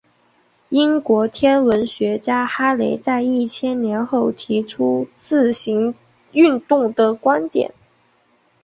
英国天文学家哈雷在一千年后提出自行运动的观点。